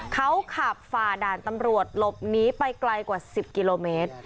เขาขับฝ่าด่านตำรวจหลบหนีไปไกลกว่า๑๐กิโลเมตร